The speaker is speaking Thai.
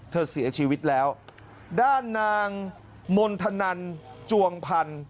เสียชีวิตแล้วด้านนางมณฑนันจวงพันธ์